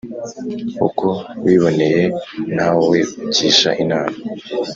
uko wiboneye nta we ugisha inama.